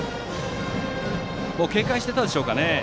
警戒してたでしょうか。